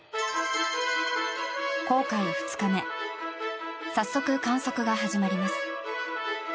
航海２日目早速、観測が始まります。